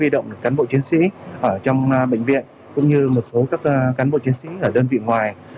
động cán bộ chiến sĩ ở trong bệnh viện cũng như một số các cán bộ chiến sĩ ở đơn vị ngoài